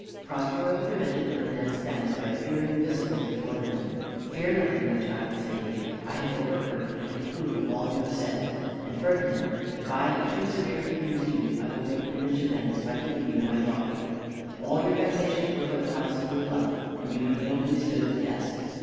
Prospero prevented Ferdinand's thanks by appearing visible before them. "Fear nothing, my child," said he; "I have overheard, and approve of all you have said. And, Ferdinand, if I have too severely used you, I will make you rich amends, by giving you my daughter. All your vexations were but trials of your love, and you have nobly stood the test.